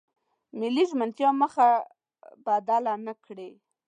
ملي ژمنتیا مخه بدله نکړي.